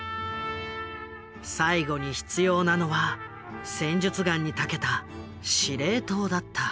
最後に必要なのは戦術眼にたけた司令塔だった。